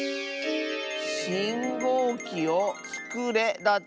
「しんごうきをつくれ」だって。